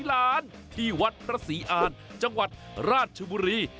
หลานที่วัดพระศรีอ่านจังหวัดราชบุรี